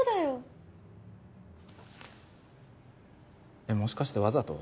えっもしかしてわざと？